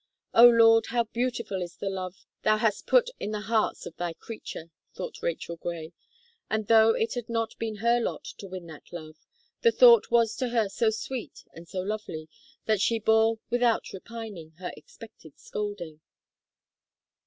"Oh, Lord! how beautiful is the love Thou hast put into the hearts of Thy creature!" thought Rachel Gray; and though it had not been her lot to win that love, the thought was to her so sweet and so lovely, that she bore without repining her expected scolding.